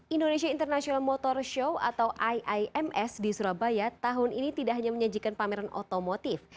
indonesia international motor show atau iims di surabaya tahun ini tidak hanya menyajikan pameran otomotif